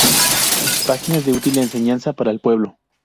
Páginas de útil enseñanza para el pueblo.